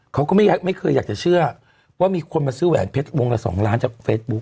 เขาก็ไม่เคยอยากจะเชื่อว่ามีคนมาซื้อแหวนเพชรวงละ๒ล้านจากเฟซบุ๊ค